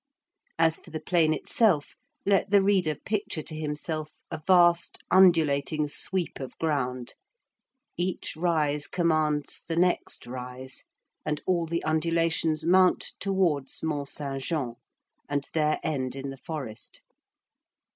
As for the plain itself, let the reader picture to himself a vast undulating sweep of ground; each rise commands the next rise, and all the undulations mount towards Mont Saint Jean, and there end in the forest.